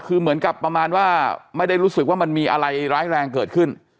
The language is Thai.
คือเหมือนกับประมาณว่าไม่ได้รู้สึกว่ามันมีอะไรร้ายแรงเกิดขึ้น